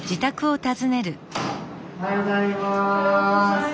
おはようございます。